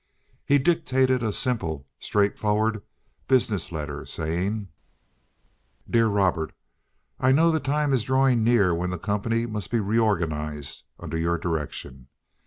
He dictated a simple, straight forward business letter, saying: "DEAR ROBERT, I know the time is drawing near when the company must be reorganized under your direction.